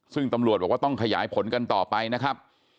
ซึ่งตำรวจบอกว่าต้องขยายผลกันต่อไปนะครับ